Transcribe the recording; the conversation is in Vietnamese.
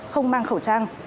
không mang khẩu trang